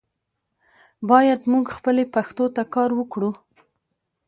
باید مونږ خپلې پښتو ته کار وکړو.